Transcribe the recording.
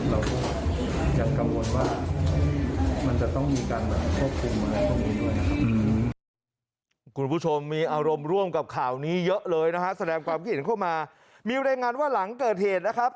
เราก็ยังกังวลว่ามันจะต้องมีการปรับโทษกรุณและกรุณด้วยนะครับ